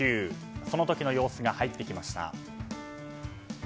その時の様子が入ってきました。